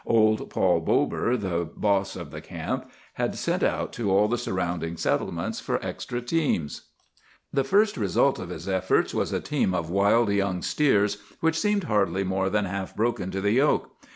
Old Paul Bober, the boss of the camp, had sent out to all the surrounding settlements for extra teams. "The first result of his efforts was a team of wild young steers, which seemed hardly more than half broken to the yoke.